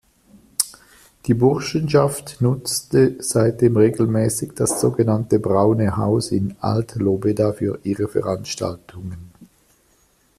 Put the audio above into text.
Die Burschenschaft nutzte seitdem regelmäßig das sogenannte Braune Haus in Alt-Lobeda für ihre Veranstaltungen.